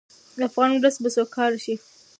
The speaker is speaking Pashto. افغان ولس به سوکاله شي.